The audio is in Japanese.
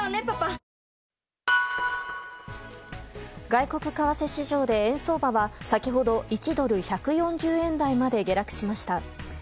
外国為替市場で円相場は先ほど１ドル＝１４０円台まで下落しました。